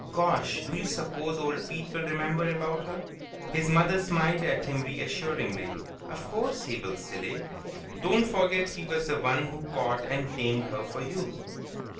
Gosh, do you suppose old Pete will remember about her?" His mother smiled at him reassuringly. "Of course he will, silly. Don't forget he was the one who caught and tamed her for you."